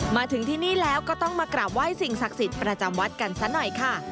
มาถึงที่นี่แล้วก็ต้องมากราบไหว้สิ่งศักดิ์สิทธิ์ประจำวัดกันซะหน่อยค่ะ